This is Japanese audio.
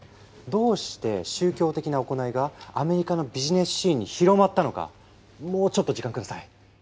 どうして宗教的な行いがアメリカのビジネスシーンに広まったのかもうちょっと時間下さい。